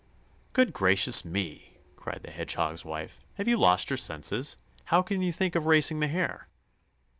"Good gracious me!" cried the Hedgehog's wife. "Have you lost your senses? How can you think of racing the Hare?"